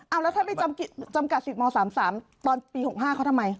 เอาแล้วถ้าไปจำกัด๑๐ม๓๓ตอนปี๖๕เขาทำไม